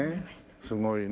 すごいね。